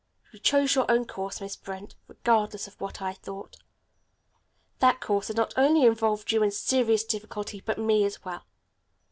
"You chose your own course, Miss Brent, regardless of what I thought. That course has not only involved you in serious difficulty, but me as well.